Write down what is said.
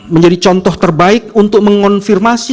menjadi contoh terbaik untuk mengonfirmasi